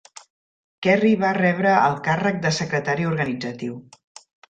Kerry va rebre el càrrec de "Secretari organitzatiu".